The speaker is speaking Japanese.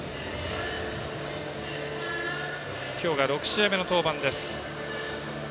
今日が６試合目の登板です。